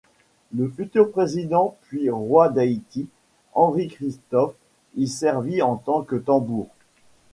Le futur président puis roi d'Haïti, Henri Christophe y servit en tant que tambour.